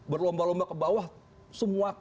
berlomba lomba ke bawah semua